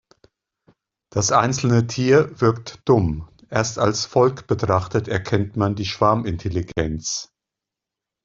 Das einzelne Tier wirkt dumm, erst als Volk betrachtet erkennt man die Schwarmintelligenz.